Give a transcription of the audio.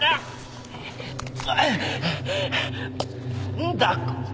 何だ。